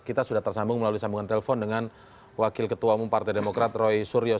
kita sudah tersambung melalui sambungan telepon dengan wakil ketua umum partai demokrat roy suryo